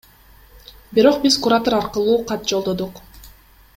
Бирок биз куратор аркылуу кат жолдодук.